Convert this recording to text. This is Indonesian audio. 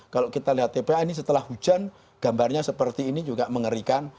kalau kita lihat tpa ini setelah hujan gambarnya seperti ini juga mengerikan